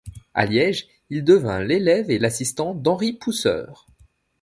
À Liège, il devint l'élève et l'assistant d'Henri Pousseur.